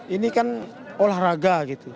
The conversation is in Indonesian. ini kan olahraga gitu